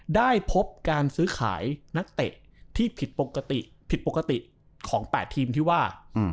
ได้พบการซื้อขายนักเตะที่ผิดปกติผิดปกติของ๘ทีมที่ว่า